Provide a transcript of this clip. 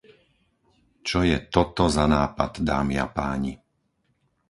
Čo je toto za nápad, dámy a páni?